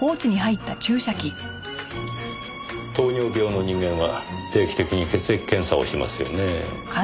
糖尿病の人間は定期的に血液検査をしますよねぇ。